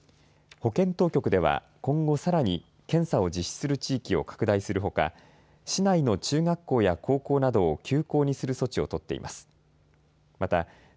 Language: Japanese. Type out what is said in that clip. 保健当局では今後さらに検査を実施する地域を拡大するほか市内の中学校や高校などを休校にする措置を取っています。